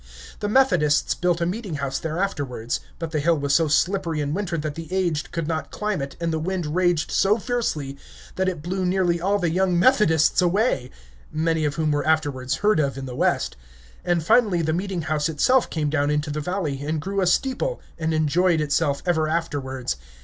The Methodists built a meeting house there afterwards, but the hill was so slippery in winter that the aged could not climb it and the wind raged so fiercely that it blew nearly all the young Methodists away (many of whom were afterwards heard of in the West), and finally the meeting house itself came down into the valley, and grew a steeple, and enjoyed itself ever afterwards.